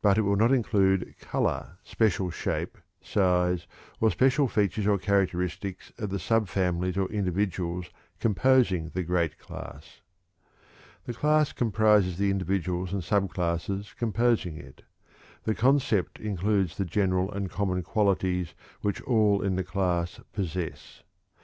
But it will not include color, special shape, size, or special features or characteristics of the subfamilies or individuals composing the great class. The class comprises the individuals and subclasses composing it; the concept includes the general and common qualities which all in the class possess.